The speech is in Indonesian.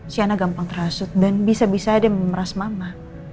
siana gampang terhasut dan bisa bisa dia memeras mama